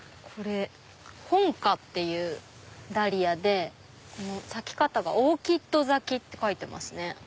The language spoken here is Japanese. ホンカっていうダリアで咲き方が「オーキッド咲き」って書いてますね。